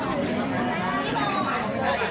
ขอบคุณแม่ก่อนต้องกลางนะครับ